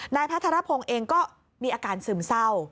นายพัทรพงศ์เองก็มีอาการซึมเศร้า